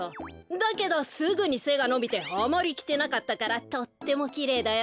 だけどすぐにせがのびてあまりきてなかったからとってもきれいだよ。